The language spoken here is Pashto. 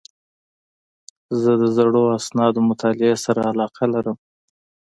زه د زړو اسنادو مطالعې سره علاقه لرم.